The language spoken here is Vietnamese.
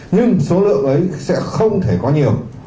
nhưng số lượng ấy sẽ không thể có nhiều